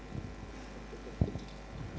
di rianto di rukodin apa